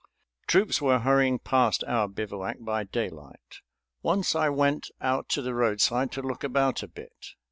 Troops were hurrying past our bivouac by daylight. Once I went out to the roadside to look about a bit.